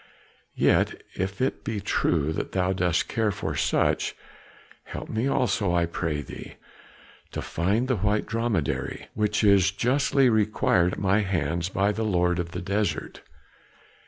Yet if it be true that thou dost care for such, help me also, I pray thee, to find the white dromedary, which is justly required at my hands by the lord of the desert."